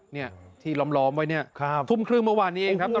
เนี่ยที่ล้อมไว้เนี่ยทุ่มครึ่งเมื่อวานนี้เองครับ